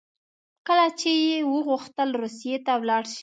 کله چې یې وغوښتل روسیې ته ولاړ شي.